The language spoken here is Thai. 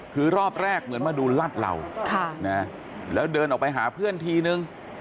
คือรอบแรกเหมือนมาดูรัดเหล่าแล้วเดินออกไปหาเพื่อนทีนึง